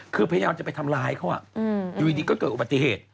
คือพยายามจะไปทำร้ายเขาอยู่ดีก็เกิดอุบัติเหตุ